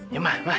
ya mah mah